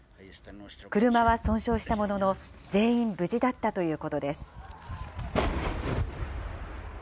車は損傷したものの、全員無事だったということです。